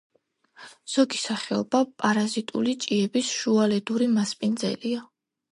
ზოგი სახეობა პარაზიტული ჭიების შუალედური მასპინძელია.